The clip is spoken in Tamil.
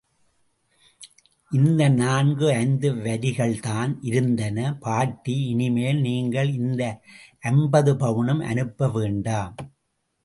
இந்த நான்கு ஐந்து வரிகள்தான் இருந்தன பாட்டி, இனிமேல் நீங்கள் இந்த ஐம்பது பவுனும் அனுப்ப வேண்டாம்.